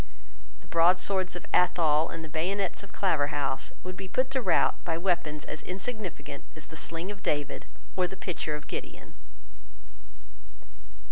The broadswords of Athol and the bayonets of Claverhouse would be put to rout by weapons as insignificant as the sling of David or the pitcher of Gideon.